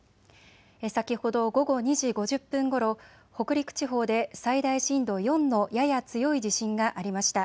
先ほど午後２時５０分ごろ北陸地方で最大震度４のやや強い地震がありました。